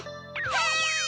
はい！